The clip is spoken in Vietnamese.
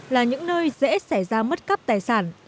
là những nơi dễ xảy ra mất cắp tài sản